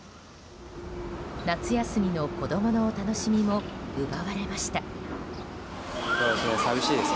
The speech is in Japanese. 夏休みの子供のお楽しみも奪われました。